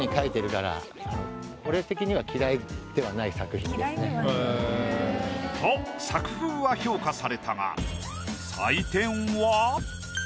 俺的には。と作風は評価されたが採点は。